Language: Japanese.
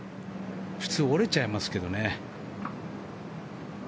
普通、折れちゃいますけどね。